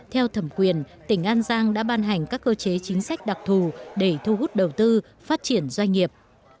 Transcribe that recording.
theo thẩm quyền tỉnh an giang đã ban hành các cơ chế chính sách đặc thù để thu hút đầu tư phát triển doanh nghiệp